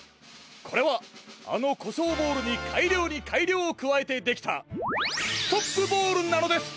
これはあのコショウボールにかいりょうにかいりょうをくわえてできたストップボールなのです！